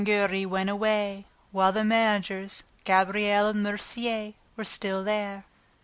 Giry went away while the managers, Gabriel and Mercier were still there.